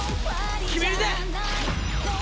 決めるぜ！